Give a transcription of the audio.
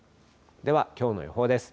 ではきょうの予報です。